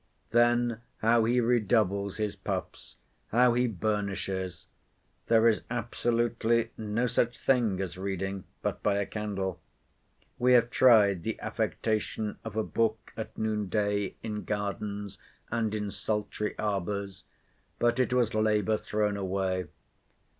Then how he redoubles his puffs! how he burnishes!—There is absolutely no such thing as reading, but by a candle. We have tried the affectation of a book at noon day in gardens, and in sultry arbours; but it was labour thrown away.